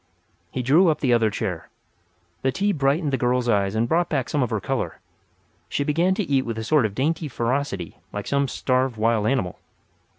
He drew up the other chair. The tea brightened the girl's eyes and brought back some of her colour. She began to eat with a sort of dainty ferocity like some starved wild animal.